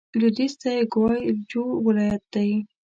لوېدیځ ته یې ګوای جو ولايت دی.